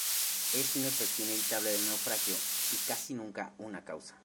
Es un efecto inevitable del naufragio y casi nunca una causa.